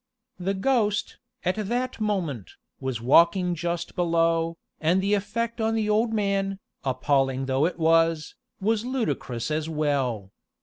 The ghost, at that moment, was walking just below, and the effect on the old man, appalling though it was, was ludicrous as well.